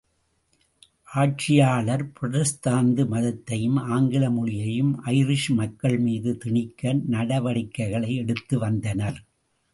ஆட்சியாளர் புரட்டஸ்தாந்து மதத்தையும் ஆங்கில மொழியையும் ஐரிஷ் மக்கள் மீது திணிக்க நடவடிக்கைகளை எடுத்து வந்தனர்.